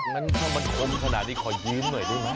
งั้นถ้ามันคมขนาดนี้ขอยืมหน่อยได้ไหม